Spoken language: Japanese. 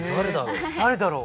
誰だろう？